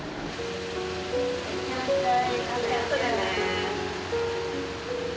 いってらっしゃい。